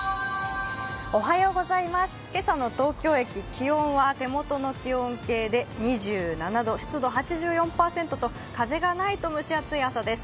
今朝の東京駅、気温は手元の気温計で２７度、湿度８４％と風がないと蒸し暑い朝です。